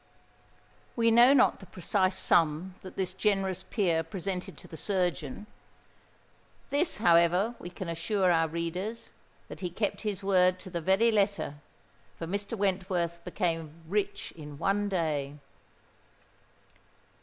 We know not the precise sum that this generous peer presented to the surgeon: this, however, we can assure our readers, that he kept his word to the very letter—for Mr. Wentworth became rich in one day.